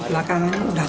ya ya sudah